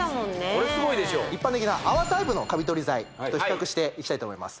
これすごいでしょ一般的な泡タイプのカビ取り剤と比較していきたいと思います